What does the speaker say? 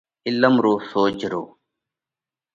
عِلم رو سوجھرو۔